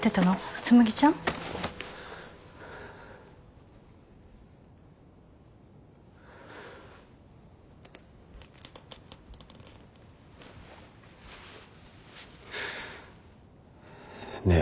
紬ちゃん？ねえ。